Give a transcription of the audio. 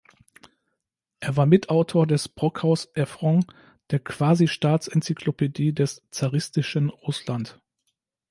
Er war Mitautor des Brockhaus-Efron, der quasi-Staats-Enzyklopädie des zaristischen Russland.